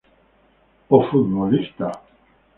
O futbolista.